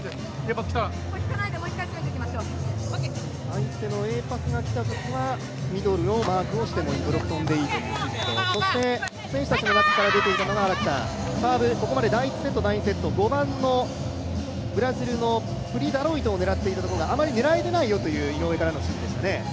相手のＡパスが来たときはミドルでブロックをしていい、そして選手たちの中から出ているのが、ここまで第１セット、第２セット、ブラジルの５番のプリ・ダロイトを狙っていたところがあまり狙えていないよという井上からの指示でしたね。